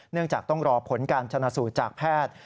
เนื่องจากต้องรอผลการชนสูจน์จากแพทย์